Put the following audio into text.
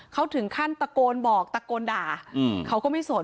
เขาถึงขั้นตะโกนบอกตะโกนด่าเขาก็ไม่สน